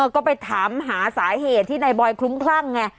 ก็ไปถามหาสาเหตุที่นายบอยคลุ้มคลั่งไง